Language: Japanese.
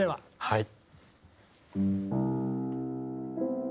はい。